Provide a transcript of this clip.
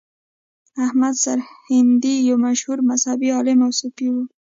احمد سرهندي یو مشهور مذهبي عالم او صوفي و.